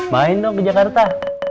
main dong ke jakarta